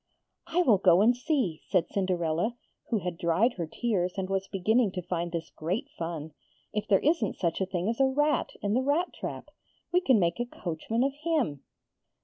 'I will go and see,' said Cinderella, who had dried her tears and was beginning to find this great fun, 'if there isn't such a thing as a rat in the rat trap. We can make a coachman of him.'